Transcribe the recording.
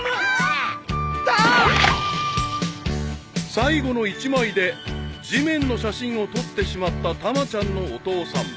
［最後の１枚で地面の写真を撮ってしまったたまちゃんのお父さん］